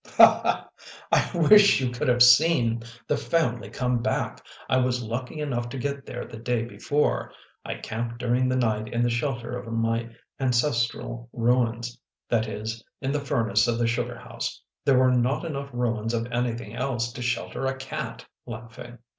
" I wish you could have seen the family come back ! I was lucky enough to get there the day before. I camped during the night in the shelter of my ancestral ruins, that is in the furnace of the sugar house; there were not enough ruins of anything else to shelter a cat," laughing.